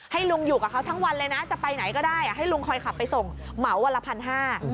ลุงอยู่กับเขาทั้งวันเลยนะจะไปไหนก็ได้ให้ลุงคอยขับไปส่งเหมาวันละพันห้า